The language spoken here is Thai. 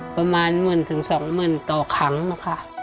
ประมาณหมื่นถึงสองหมื่นต่อครั้งนะคะ